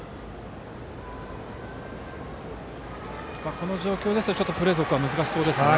この状況ですとプレー続行は難しそうですね。